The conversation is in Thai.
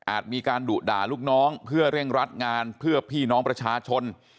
มีการดุด่าลูกน้องเพื่อเร่งรัดงานเพื่อพี่น้องประชาชน